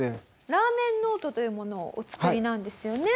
ラーメンノートというものをお作りなんですよね。